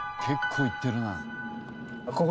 結構いってるな。